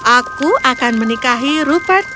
aku akan menikahi rupert galon junior